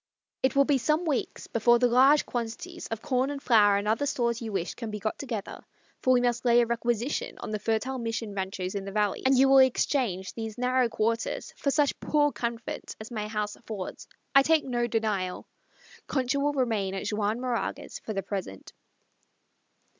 It will be some weeks before the large quantities of corn and flour and other stores you wish can be got together for we must lay a requisition on the fertile Mission ranchos in the valleys and you will exchange these narrow quarters for such poor comfort as my house affords I take no denial. Concha will remain at Juan Moraga's for the present."